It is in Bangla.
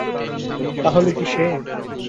তাহলে কি সে?